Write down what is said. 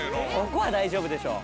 ここは大丈夫でしょ。